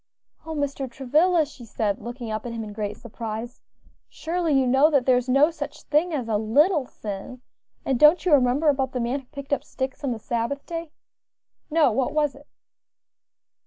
"O Mr. Travilla!" she said, looking up at him in great surprise, "surely you know that there is no such thing as a little sin; and don't you remember about the man who picked up sticks on the Sabbath day?" "No; what was it?"